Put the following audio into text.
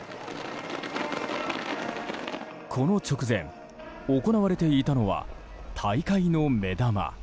この直前、行われていたのは大会の目玉